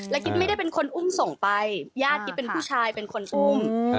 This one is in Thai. กิ๊บไม่ได้เป็นคนอุ้มส่งไปญาติกิ๊บเป็นผู้ชายเป็นคนอุ้ม